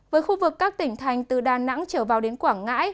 với khu vực các tỉnh thành từ đà nẵng trở vào đến quảng ngãi